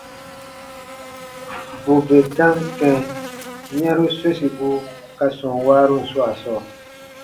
Bù bè dam kɛ̃ yɛ̃ru sosibu ka sɔm waarun swaa sɔɔ,